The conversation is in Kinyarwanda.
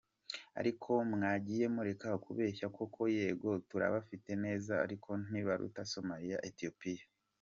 ariko mwagiye mureka kubeshya koko yego turabafite neza ariko ntibaruta somariya etiopia.